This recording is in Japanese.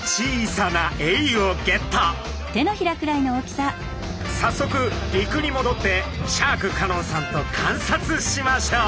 さっそく陸にもどってシャーク香音さんと観察しましょう。